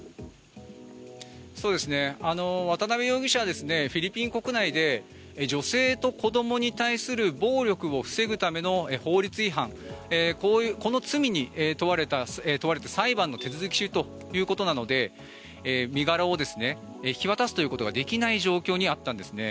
渡邉容疑者はフィリピン国内で女性と子どもに対する暴力を防ぐための法律違反この罪に問われて裁判の手続き中ということで身柄を引き渡すということができない状態にあったんですね。